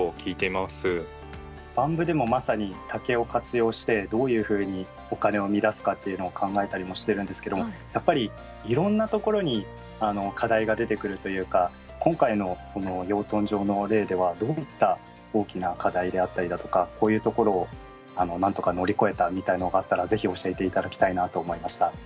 ＢＡＭ部でもまさに竹を活用してどういうふうにお金を生み出すかっていうのを考えたりもしてるんですけどやっぱりいろんなところに課題が出てくるというか今回の養豚場の例ではどういった大きな課題であったりだとかこういうところをなんとか乗り越えたみたいのがあったら是非教えていただきたいなと思いました。